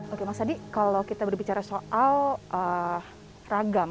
oke mas adi kalau kita berbicara soal ragam